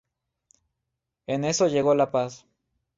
En eso llegó la paz.